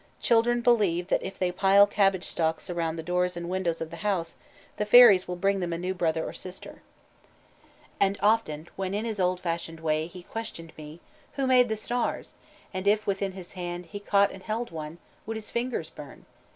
Children believe that if they pile cabbage stalks round the doors and windows of the house, the fairies will bring them a new brother or sister. "And often when in his old fashioned way He questioned me,... Who made the stars? and if within his hand He caught and held one, would his fingers burn?